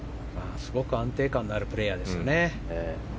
すごく安定感のあるプレーヤーですよね。